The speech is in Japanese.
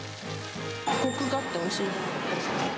こくがあっておいしいです。